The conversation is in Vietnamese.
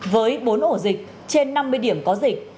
với bốn ổ dịch trên năm mươi điểm có dịch